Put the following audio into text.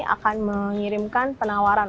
akan mengirimkan penawaran